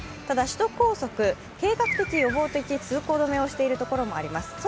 ただし、首都高速は計画的・予防的通行止めをしているところもあります。